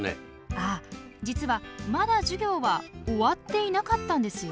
ああ実はまだ授業は終わっていなかったんですよ。